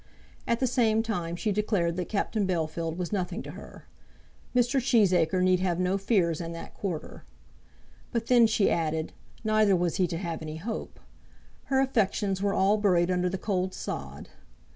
At the same time she declared that Captain Bellfield was nothing to her; Mr. Cheesacre need have no fears in that quarter. But then, she added, neither was he to have any hope. Her affections were all buried under the cold sod.